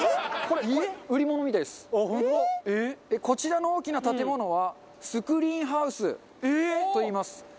こちらの大きな建物はスクリーンハウスといいます。